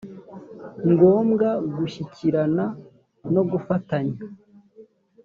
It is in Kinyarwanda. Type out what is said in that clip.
ngombwa gushyikirana no gufatanya